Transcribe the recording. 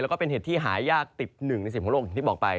แล้วก็เป็นเห็ดที่หายากติด๑ใน๑๐ของโลกอย่างที่บอกไป